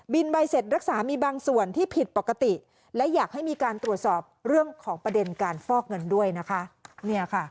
ใบเสร็จรักษามีบางส่วนที่ผิดปกติและอยากให้มีการตรวจสอบเรื่องของประเด็นการฟอกเงินด้วยนะคะ